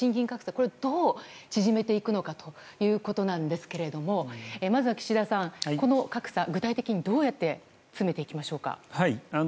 これをどう縮めていくのかということなんですがまずは岸田さんこの格差、具体的にどうやって詰めていきましょうか。